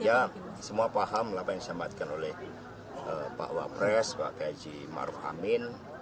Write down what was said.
ya semua paham lah apa yang disampaikan oleh pak wapres pak gaji maruf amin